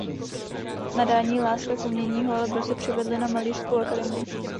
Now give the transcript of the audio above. Nadání i láska k umění ho ale brzy přivedly na malířskou akademii.